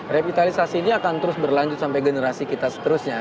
revitalisasi ini akan terus berlanjut sampai generasi kita seterusnya